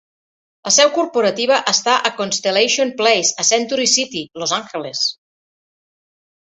La seu corporativa està a Constellation Place, a Century City, Los Angeles.